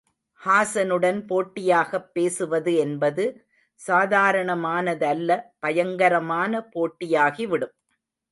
ஹாஸனுடன் போட்டியாகப் பேசுவது என்பது சாதாரணமானதல்ல பயங்கரமான போட்டியாகி விடும்.